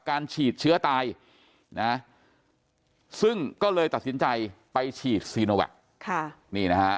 การฉีดเชื้อตายนะซึ่งก็เลยตัดสินใจไปฉีดซีโนแวคนี่นะฮะ